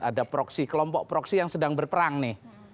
ada proksi kelompok proksi yang sedang berperang nih